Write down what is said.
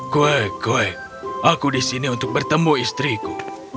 kwek kwek aku disini untuk bertemu istriku